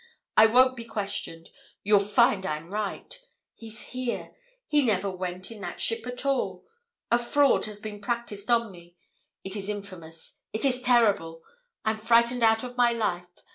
I won't be questioned. You'll find I'm right. He's here. He never went in that ship at all. A fraud has been practised on me it is infamous it is terrible. I'm frightened out of my life.